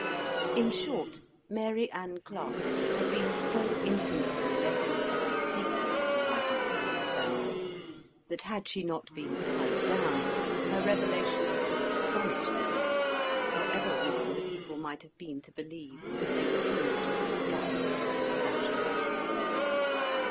In short, Mary Anne Clarke had been so intimately let into every secret of the life of the royal family that, had she not been tied down, her revelations would have astonished the world, however willing the people might have been to believe that they were tinged with scandal and exaggeration.